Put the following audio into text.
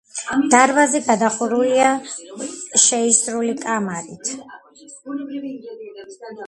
დარბაზი გადახურულია შეისრული კამარით.